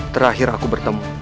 terakhir aku bertemu